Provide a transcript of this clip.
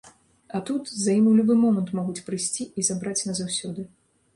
А тут, за ім у любы момант могуць прыйсці і забраць назаўсёды.